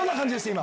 今。